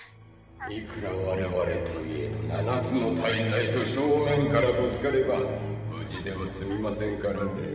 ⁉・いくら我々といえど七つの大罪と・正面からぶつかれば無事では済みませんからね。